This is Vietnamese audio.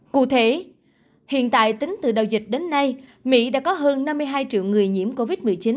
cụ thể hiện tại tính từ đầu dịch đến nay mỹ đã có hơn năm mươi hai triệu người nhiễm covid một mươi chín